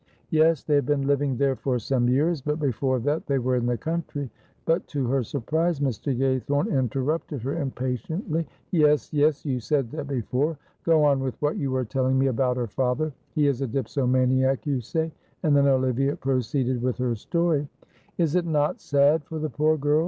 "Yes; they have been living there for some years, but before that they were in the country." But to her surprise Mr. Gaythorne interrupted her impatiently. "Yes, yes, you said that before; go on with what you were telling me about her father. He is a dipsomaniac, you say." And then Olivia proceeded with her story. "Is it not sad for the poor girl?"